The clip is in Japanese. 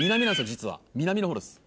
実は南のほうです。